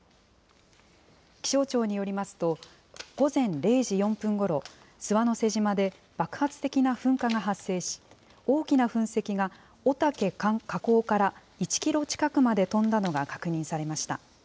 気象庁によりますと、午前０時４分ごろ、諏訪之瀬島で爆発的な噴火が発生し、大きな噴石が、御岳火口から１キロ近くまで飛んだのが確認されました。